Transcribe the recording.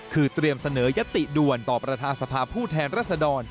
คือเตรียมเสนอยติด่วนต่อประธานสภาพผู้แทนรัศดร